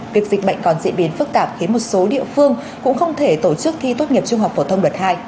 việc dịch bệnh còn diễn biến phức tạp khiến một số địa phương cũng không thể tổ chức thi tốt nghiệp trung học phổ thông đợt hai